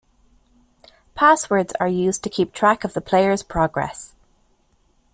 Passwords are used to keep track of the players progress.